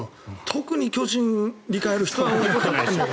特に巨人理解ある人は。